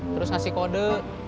terus kasih kode